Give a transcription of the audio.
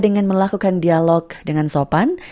dengan melakukan dialog dengan sopan